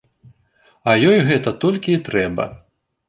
А ёй гэта толькі і трэба.